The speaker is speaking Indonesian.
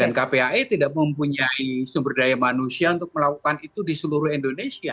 dan kpai tidak mempunyai sumber daya manusia untuk melakukan itu di seluruh indonesia